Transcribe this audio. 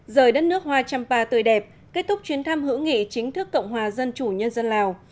rời đất nước hoa champa tươi đẹp kết thúc chuyến thăm hữu nghị chính thức cộng hòa dân chủ nhân dân lào